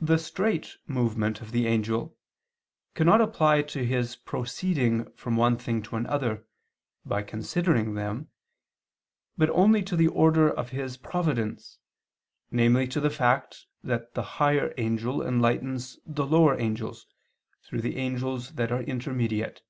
The "straight" movement of the angel cannot apply to his proceeding from one thing to another by considering them, but only to the order of his providence, namely to the fact that the higher angel enlightens the lower angels through the angels that are intermediate.